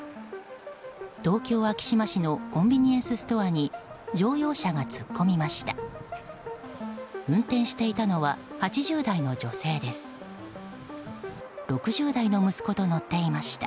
東京・昭島市のコンビニエンスストアに乗用車が突っ込みました。